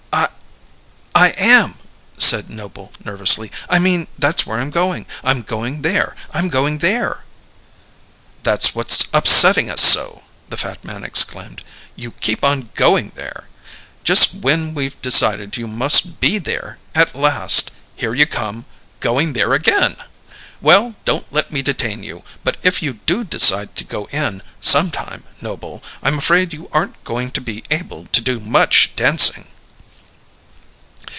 "I am," said Noble nervously. "I mean that's where I'm going. I'm going there. I'm going there." "That's what's upsetting us so!" the fat man exclaimed. "You keep on going there! Just when we've decided you must be there, at last, here you come, going there again. Well, don't let me detain you. But if you do decide to go in, some time, Noble, I'm afraid you aren't going to be able to do much dancing."